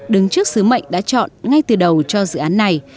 đứng trước sứ mệnh đã chọn ngay từ đầu cho dự án này